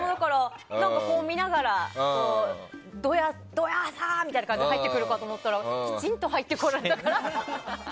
私も見ながらどやさーみたいな感じで入ってくるかと思ったらきちんと入ってこられたから。